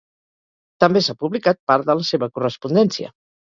També s'ha publicat part de la seva correspondència.